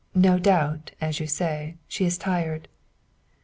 No doubt, as you say, she is tired."